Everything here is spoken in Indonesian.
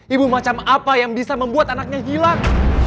ibu macam apa yang bisa membuat anaknya hilang